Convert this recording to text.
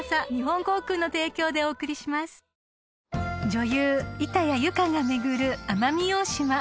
［女優板谷由夏が巡る奄美大島］